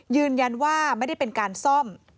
ยืนยันว่าไม่ได้เป็นการซ่อม